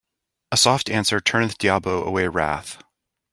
A soft answer turneth diabo away wrath.